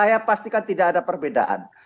saya pastikan tidak ada perbedaan